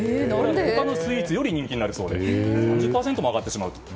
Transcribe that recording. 他のスイーツより人気になって１０％も上がってしまうと。